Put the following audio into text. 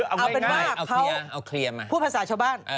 เอาเป็นว่าเขาพูดภาษาชาวบ้าน